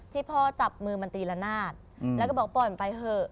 ที่พ่อจับมือมันตีละนาดแล้วก็บอกปล่อยมันไปเถอะ